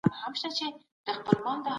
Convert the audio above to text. چاپ شو او معرفي خپره شوه